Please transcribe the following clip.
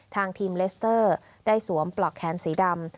ทางทีมเลสเตอร์ได้สวมปลอกแขนสีดำ